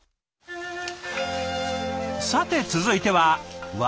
さて続いてはうわ！